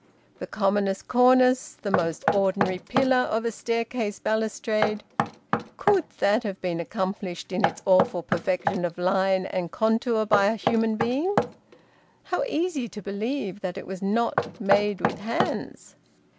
The commonest cornice, the most ordinary pillar of a staircase balustrade could that have been accomplished in its awful perfection of line and contour by a human being? How easy to believe that it was `not made with hands'!